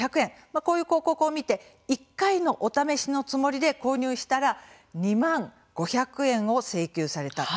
こういう広告を見て１回のお試しのつもりで購入したら２万５００円を請求された。